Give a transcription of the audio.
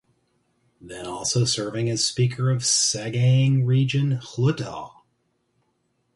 Than also serving as speaker of Sagaing Region Hluttaw.